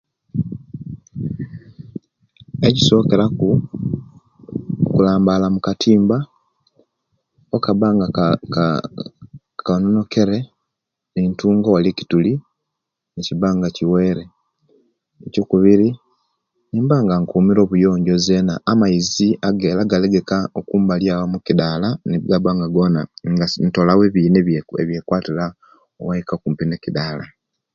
Ekisokalaku kulambala mukatimba owekabanga kayonenekele nintunga ebituli nekibanga kiweile ekyokubiri nibanga nkumile owunjjo zeena amaizi agalegeka okumbale awo omukidaala nibanga zenanga ntolawo ebina ebyekwatira waika kumpi ne'daala